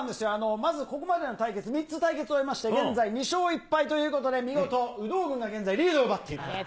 まず、ここまでの対決、３つ対決を終えまして、現在２勝１敗ということで、見事、有働軍が現在、リードを奪っていると。